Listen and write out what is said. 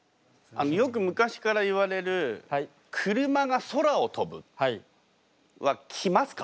よく昔からいわれる車が空を飛ぶは来ますか？